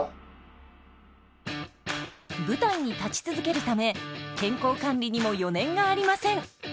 舞台に立ち続けるため健康管理にも余念がありません。